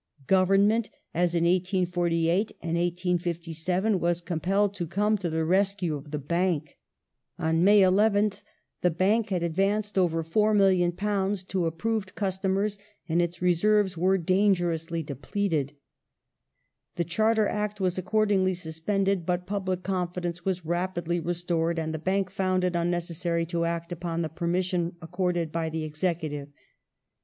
Government, as in 1848 and 1857, was compelled to come to the rescue of the Bank. On May 11th the Bank had advanced over £4,000,000 to approved customers and its, reserves were danger ously depleted. The Charter Act was accordingly suspended, but public confidence was rapidly restored, and the Bank found it unnecessary to act upon the permission accorded by the Executive.